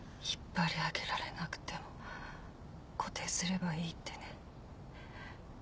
引っ張り上げられなくても固定すればいいってね。